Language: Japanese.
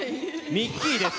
ミッキーです。